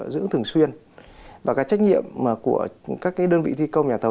giữ thường xuyên và cái trách nhiệm của các cái đơn vị thi công nhà thầu